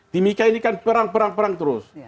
timika ini kan perang perang perang terus